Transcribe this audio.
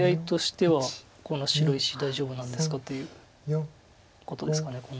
ＡＩとしては「この白石大丈夫なんですか？」ということですかね。